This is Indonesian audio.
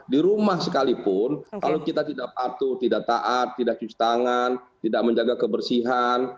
di rumah sekalipun kalau kita tidak patuh tidak taat tidak cuci tangan tidak menjaga kebersihan